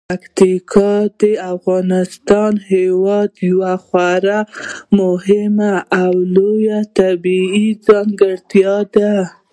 پکتیکا د افغانستان هیواد یوه خورا مهمه او لویه طبیعي ځانګړتیا ده.